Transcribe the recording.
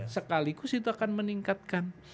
sekaligus itu akan meningkatkan